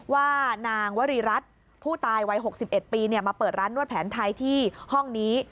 ว่านางวรีรัฐผู้ตายวัย๖๑ปีมาเปิดร้านนวดแผนไทยที่ห้องนี้